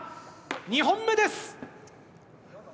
２本目です。